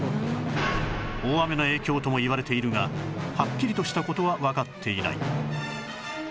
大雨の影響ともいわれているがはっきりとした事はわかっていない